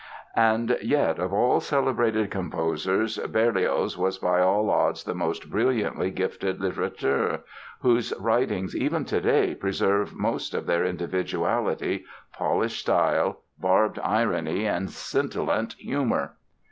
And yet, of all celebrated composers, Berlioz was by all odds the most brilliantly gifted litterateur, whose writings even today preserve most of their individuality, polished style, barbed irony and scintillant humor.